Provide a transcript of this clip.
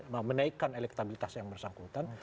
menaikan elektabilitas yang bersangkutan